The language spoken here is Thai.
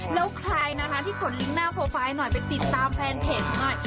แล้วใครที่กดลิ้งก์หน้าโปรไฟล์ให้หน่อยไปติดตามแฟนเพจหน่อย